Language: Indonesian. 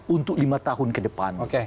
untuk lima tahun ke depan